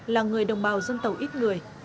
là người đồng bào dân tàu ít người